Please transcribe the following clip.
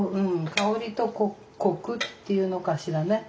香りとコクっていうのかしらね。